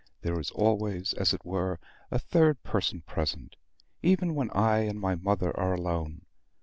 There is always, as it were, a third person present, even when I and my mother are alone.